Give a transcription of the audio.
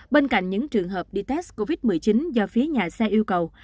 bên cạnh những trường hợp đi test covid một mươi chín do phía nhà xe yêu cầu